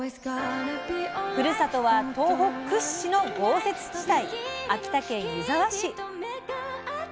ふるさとは東北屈指の豪雪地帯秋田県湯沢市。